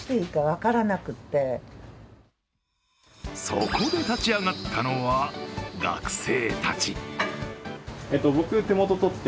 そこで立ち上がったのは学生たち。